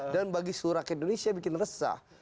dan bagi seluruh rakyat indonesia bikin resah